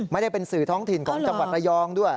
ไม่ได้เป็นสื่อท้องถิ่นของจังหวัดระยองด้วย